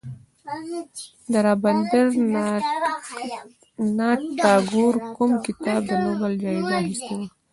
د رابندر ناته ټاګور کوم کتاب د نوبل جایزه اخیستې وه.